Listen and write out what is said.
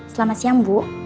selamat siang bu